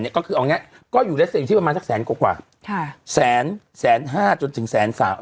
เนี้ยก็คือเอาอย่างเนี้ยก็อยู่เลสเตรียมที่ประมาณสักแสนกว่ากว่าค่ะแสนแสนห้าจนถึงแสนสาม